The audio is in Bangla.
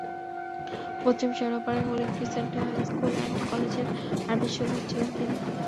পশ্চিম শেওড়াপাড়ায় হলি ক্রিসেন্ট স্কুল অ্যান্ড কলেজের আরবির শিক্ষক ছিলেন তিনি।